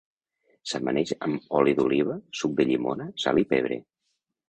S'amaneix amb oli d'oliva, suc de llimona, sal i pebre.